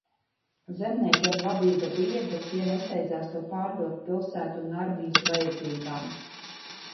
Zemniekiem labība bija, bet tie nesteidzās to pārdot pilsētu un armijas vajadzībām.